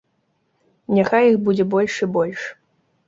Няхай іх будзе больш і больш.